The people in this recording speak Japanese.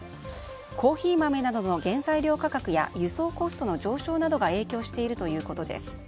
コーヒー豆などの原材料価格や輸送コストの上昇などが影響しているということです。